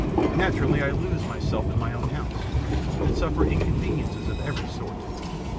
Naturally I lose myself in my own house, and suffer inconveniences of every sort.